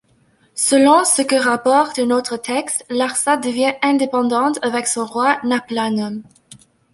Selon ce que rapporte un autre texte, Larsa devient indépendante avec son roi Naplanum.